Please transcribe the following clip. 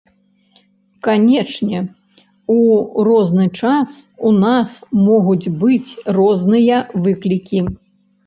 Канешне, у розны час у нас могуць быць розныя выклікі.